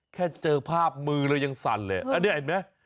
แค่เจอภาพมือเรายังสั่นเลยอันนี้เห็นไหม